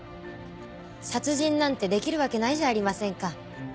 殺人なんてできるわけないじゃありませんか。